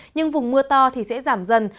nhưng vùng mưa to thì sẽ giảm dần